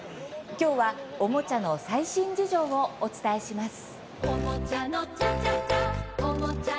きょうは、おもちゃの最新事情をお伝えします。